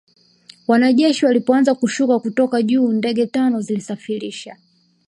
wanajeshi walipoanza kushuka kutoka juu Ndege tano zilisafirisha